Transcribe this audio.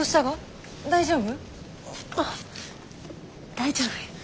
大丈夫や。